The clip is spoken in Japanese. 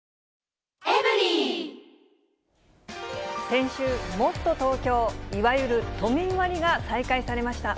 先週、もっとＴｏｋｙｏ、いわゆる都民割が再開されました。